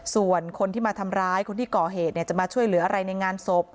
ส่วนคนที่มาทำร้ายคนที่ก่อเหตุจะมาช่วยเหลืออะไรในงานศพ